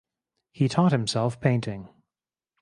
He taught himself painting.